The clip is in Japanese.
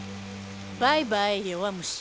バイバイ弱虫。